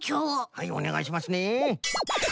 はいおねがいしますね。